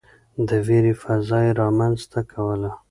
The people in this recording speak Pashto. د وېرې فضا يې نه رامنځته کوله.